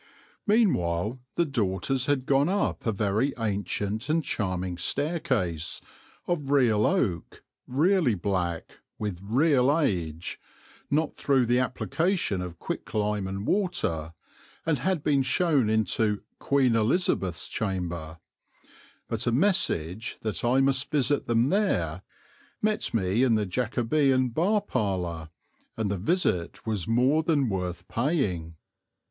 Meanwhile the daughters had gone up a very ancient and charming staircase, of real oak, really black, with real age, not through the application of quick lime and water, and had been shown into "Queen Elizabeth's Chamber"; but a message that I must visit them there met me in the Jacobean bar parlour, and the visit was more than worth paying.